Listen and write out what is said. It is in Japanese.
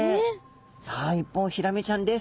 さあ一方ヒラメちゃんです。